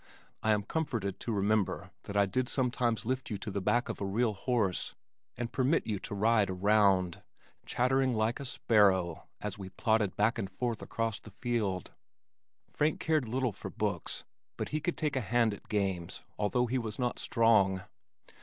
I am comforted to remember that I did sometimes lift you to the back of a real horse and permit you to ride "a round," chattering like a sparrow as we plodded back and forth across the field. Frank cared little for books but he could take a hand at games although he was not strong.